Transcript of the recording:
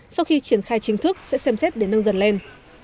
sau khi triển khai chính thức sẽ xem xét để nâng dần lên